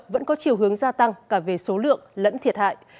vẫn có chiều hướng gia tăng cả về số lượng lẫn thiệt hại